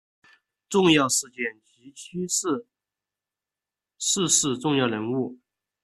重要事件及趋势逝世重要人物